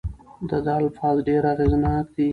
د ده الفاظ ډېر اغیزناک دي.